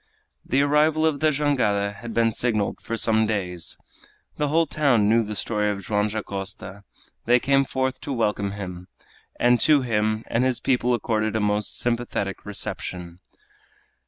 The arrival of the jangada had been signaled for some days. The whole town knew the story of Joam Dacosta. They came forth to welcome him, and to him and his people accorded a most sympathetic reception.